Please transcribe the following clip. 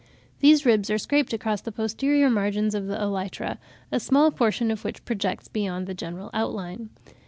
These ribs are scraped against the posterior margins of the elytra, a small portion of which projects beyond the general outline.